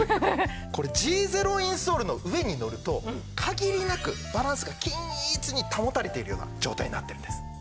これＧゼロインソールの上にのると限りなくバランスが均一に保たれているような状態になってるんです。